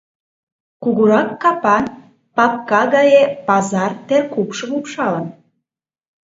Кугурак капан, папка гае пазар теркупшым упшалын.